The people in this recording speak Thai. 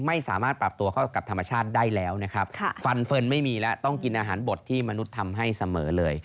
ไม่สามารถปรับตัวเข้ากับธรรมชาติได้แล้วนะครับฟันเฟิร์นไม่มีแล้วต้องกินอาหารบดที่มนุษย์ทำให้เสมอเลย